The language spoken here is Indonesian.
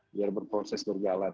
biar berproses terjalan